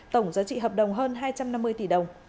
tổng giá trị hợp đồng hơn hai trăm năm mươi tỷ đồng